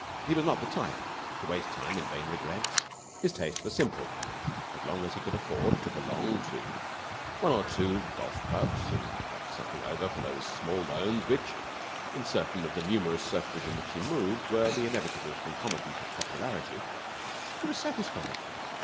He was not the type to waste time in vain regrets. His tastes were simple. As long as he could afford to belong to one or two golf clubs and have something over for those small loans which, in certain of the numerous circles in which he moved, were the inevitable concomitant of popularity, he was satisfied.